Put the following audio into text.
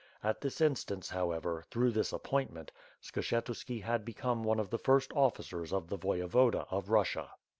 At this in stance, however, through this appointment, Skshetuski had become one of the first officers of the Voyevoda of Russia.